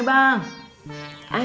ini pengawasan tri